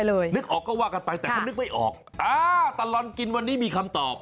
นึกออกก็ว่ากันไปแต่ถ้านึกไม่ออกอ่าตลอดกินวันนี้มีคำตอบ